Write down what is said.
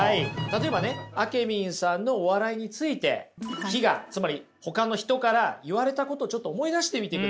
例えばねあけみんさんのお笑いについて非我つまりほかの人から言われたことをちょっと思い出してみてください。